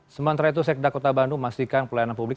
sementara itu sekda kota bandung memastikan pelayanan publik